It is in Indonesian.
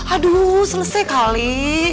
aduh selesai kali